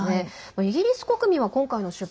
イギリス国民は今回の出版